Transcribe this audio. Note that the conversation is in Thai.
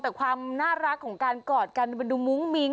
แต่ความน่ารักของการกอดกันมันดูมุ้งมิ้ง